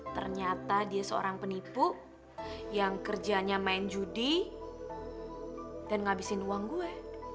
ternyata dia seorang penipu yang kerjanya main judi dan ngabisin uang gue